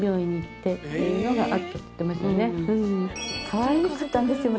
かわいかったんですよ